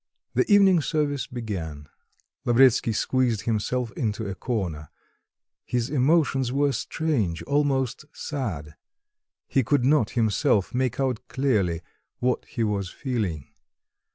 The evening service began. Lavretsky squeezed himself into a corner; his emotions were strange, almost sad; he could not himself make out clearly what he was feeling.